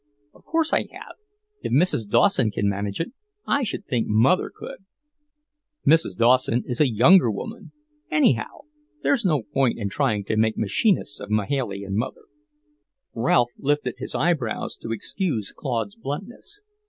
"Of course I have. If Mrs. Dawson can manage it, I should think mother could." "Mrs. Dawson is a younger woman. Anyhow, there's no point in trying to make machinists of Mahailey and mother." Ralph lifted his eyebrows to excuse Claude's bluntness.